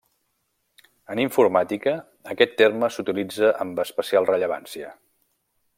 En informàtica aquest terme s'utilitza amb especial rellevància.